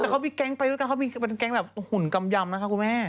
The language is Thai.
มันก็มีแก๊งไปด้วยก็มีเก๊งแบบหุ่นกำยำนะครับคุณแม่